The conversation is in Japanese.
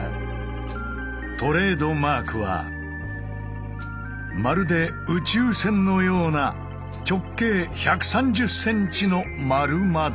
トレードマークはまるで宇宙船のような直径１３０ｃｍの円窓。